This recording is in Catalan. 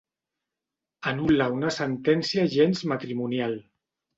Anul·la una sentència gens matrimonial.